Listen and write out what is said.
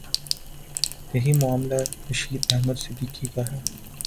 یہی معاملہ رشید احمد صدیقی کا ہے۔